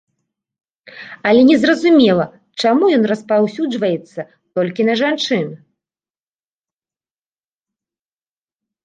Але незразумела, чаму ён распаўсюджваецца толькі на жанчын.